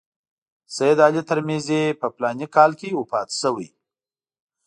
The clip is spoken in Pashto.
سید علي ترمذي په فلاني کال کې وفات شوی.